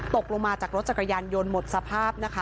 ตกลงมาจากรถจักรยานยนต์หมดสภาพนะคะ